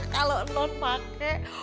kalau non pake